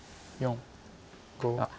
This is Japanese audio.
あっ。